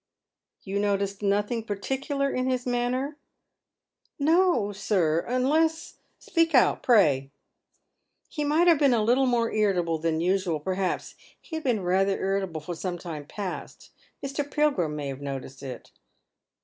" You noticed nothing particular in his manner?" " No, sir — unless "" Speak out, pray." "He might have been a little more irritable than usual, per haps. He had been rather initable for some time past. Mr. Pilgrim may have noticed it."